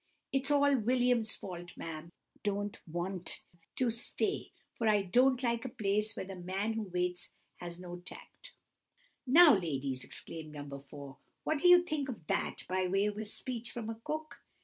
It's all William's fault, ma'am; and I don't mean to stay, for I don't like a place where the man who waits has no tact!' "Now, ladies," continued No. 4, "what do you think of that by way of a speech from a cook?